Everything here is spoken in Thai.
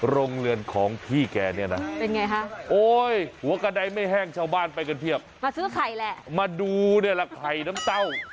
โรงเรือนของพี่แกเนี่ยนะโอ้ยหัวกระได้ไม่แห้งชาวบ้านไปกันเทียบมาดูเนี่ยแหละไข่น้ำเต้า